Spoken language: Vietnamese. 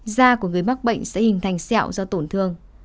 da của người mắc bệnh sẽ hình thành xẹo do tổn thương